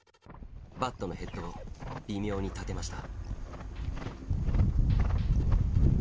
バッドのヘッドを微妙に立てました。